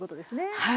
はい。